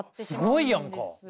すごいやんか。